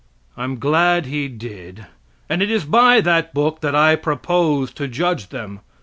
I am glad he did, and it is by that book that I propose to judge them.